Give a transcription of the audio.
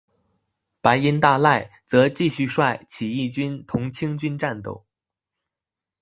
白音大赉则继续率起义军同清军战斗。